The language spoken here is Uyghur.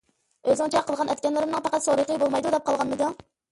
ئۆزۈڭچە قىلغان - ئەتكەنلىرىمنىڭ پەقەت سورىقى بولمايدۇ، دەپ قالغانمىدىڭ؟